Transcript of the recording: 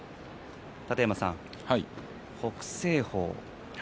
楯山さん、北青鵬